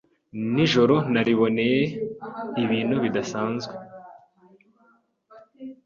Nijoro nariboneye ibintu bidasanzwe.